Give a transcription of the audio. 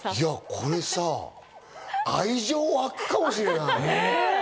これさぁ、愛情わくかもしれない。